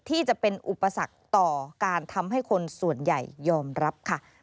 ที่จะเป็นอุปสรรคต่อการทำให้คนส่วนใหญ่ยอมรับค่ะ